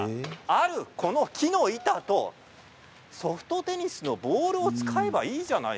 あるこの木の板とソフトテニスのボールを使えばいいじゃない！